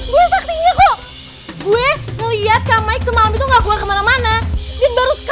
gue saktinya kok